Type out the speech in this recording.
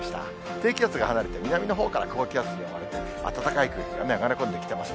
低気圧が離れて南のほうから高気圧が覆われ、暖かい空気が流れ込んできてます。